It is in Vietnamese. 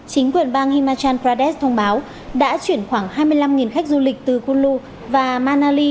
chính quyền bang himachal pradesh thông báo đã chuyển khoảng hai mươi năm khách du lịch từ gulu và manali